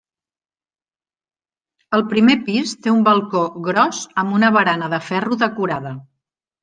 El primer pis té un balcó gros amb una barana de ferro decorada.